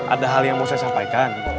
ada hal yang mau saya sampaikan